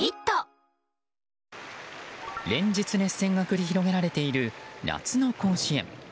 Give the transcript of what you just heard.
連日、熱戦が繰り広げられている夏の甲子園。